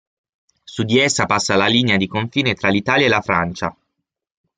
Su di essa passa la linea di confine tra l'Italia e la Francia.